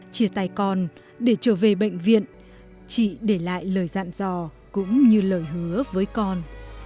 chia tay con để trở về bệnh viện chị để lại lời dặn dò cũng như lời hứa với con